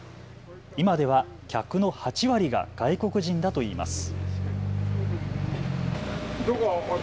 今では客の８割が外国人だといいます。